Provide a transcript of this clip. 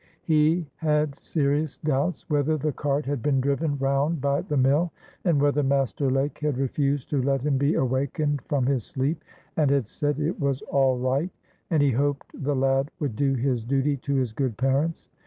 He had serious doubts whether the cart had been driven round by the mill, and whether Master Lake had refused to let him be awakened from his sleep, and had said it was, "All right, and he hoped the lad would do his duty to his good parents."